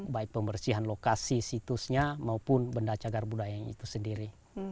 baik pembersihan lokasi situsnya maupun benda cagar budaya itu sendiri